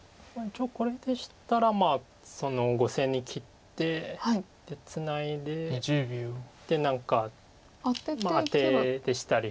一応これでしたらまあ５線に切ってツナいでで何かアテでしたり。